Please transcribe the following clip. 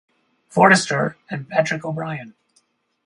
Forester, and Patrick O'Brian.